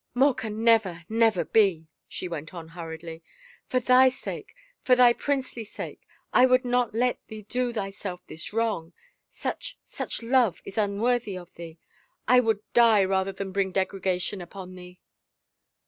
" More can never, never be," she went on hurriedly. " For thy sake, for thy princely sake, I would not let thee do thyself this wrong. Such — such love — is unworthy of thee ... I would die rather than bring degradation upon thee."